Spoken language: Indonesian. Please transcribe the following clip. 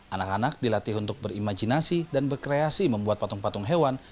anak anak dilatih untuk berimajinasi dan berkreasi membuat patung patung hewan